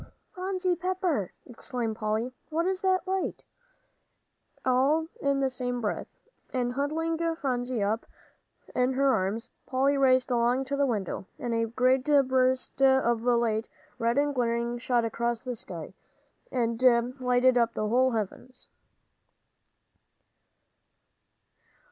"Phronsie Pepper!" exclaimed Polly, and "What's this light?" all in the same breath. And huddling Phronsie up in her arms, Polly raced along to the window. A great burst of light, red and glaring, shot across the sky, and lighted up the whole heavens.